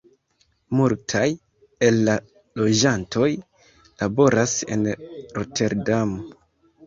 Multaj el la loĝantoj laboras en Roterdamo.